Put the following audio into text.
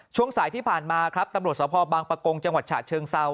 ช่วงสายที่ผ่านมาครับตำรวจสภบางปะกงจังหวัดฉะเชิงเซา